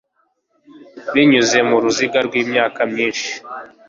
Binyuze mu ruziga rwimyaka myinshi